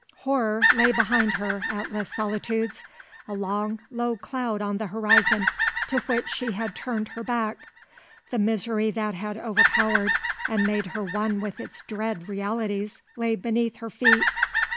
Horror lay behind her at Les Solitudes, a long, low cloud on the horizon to which she had turned her back. The misery that had overpowered and made her one with its dread realities lay beneath her feet.